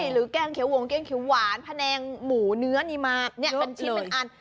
แกงเขียววงแกงเขียวหวานแผนงหมูเนื้อนี่มาเป็นชิ้นเป็นอัน